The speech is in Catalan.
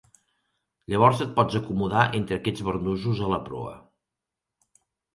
Llavors et pots acomodar entre aquests barnussos a la proa.